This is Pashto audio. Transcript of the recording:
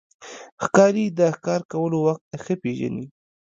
ښکاري د ښکار کولو وخت ښه پېژني.